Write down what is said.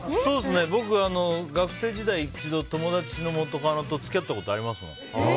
僕、学生時代一度友達の元カノと付き合ったことありますもん。